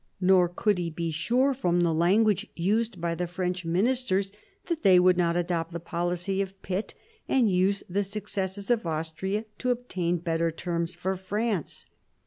Nor could he be sure from the language used by the French ministers that they would not adopt the policy of Pitt, and use the successes of Austria to obtain better terms for France.